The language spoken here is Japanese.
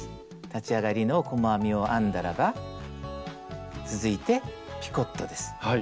立ち上がりの細編みを編んだらば続いてピコットです。